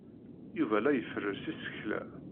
Yuba la iferres isekla.